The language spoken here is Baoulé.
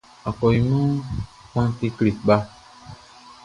Nglɛmunʼn, akɔɲinmanʼn kpan kekle kpa.